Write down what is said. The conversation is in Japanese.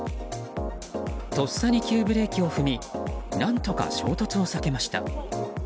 とっさに急ブレーキを踏み何とか衝突を避けました。